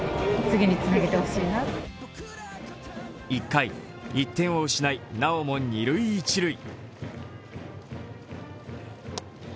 １回、１点を失いなおも二・一塁。